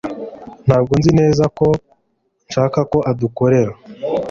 Ntabwo nzi neza ko nshaka ko adukorera